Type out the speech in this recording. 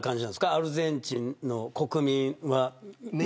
アルゼンチンの国民は。